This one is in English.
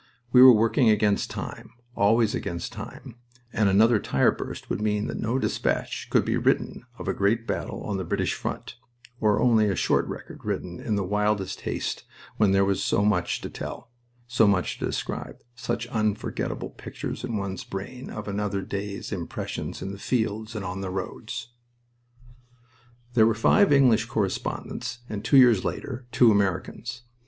We were working against time, always against time, and another tire burst would mean that no despatch could be written of a great battle on the British front, or only a short record written in the wildest haste when there was so much to tell, so much to describe, such unforgetable pictures in one's brain of another day's impressions in the fields and on the roads. There were five English correspondents and, two years later, two Americans.